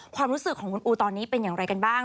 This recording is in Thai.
ความรู้สึกของคุณอูตอนนี้เป็นอย่างไรกันบ้าง